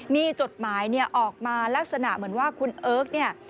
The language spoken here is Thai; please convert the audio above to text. มีจดหมายเนี่ยออกมาลักษณะเหมือนว่าคุณเอิร์กเนี่ย